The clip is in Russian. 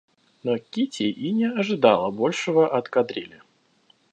Но Кити и не ожидала большего от кадрили.